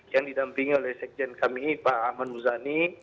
yang didampingi oleh sekjen kami pak ahmad muzani